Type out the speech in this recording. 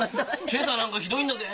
今朝なんかひどいんだぜ。